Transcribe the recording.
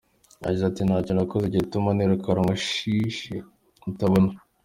Yagize ati “Ntacyo nakoze gituma nirukanwa shishi itabona.